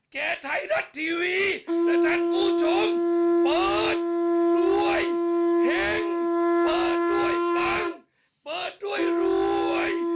แก่ไทยรัฐทีวีและท่านผู้ชมเปิดรวยเฮ่งเปิดด้วยปังเปิดด้วยรวย